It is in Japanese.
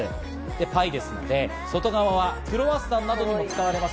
パイですので外側はクロワッサンなどに使われます